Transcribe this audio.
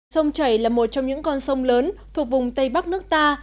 sông chảy là một trong những con sông lớn thuộc vùng tây bắc nước ta